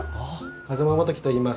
風間元規といいます。